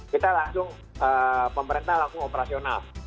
kita langsung pemerintah langsung operasional